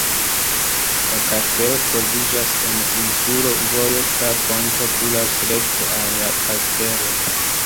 La kastelo troviĝas en insulo, vojo tra ponto kuras rekte al la kastelo.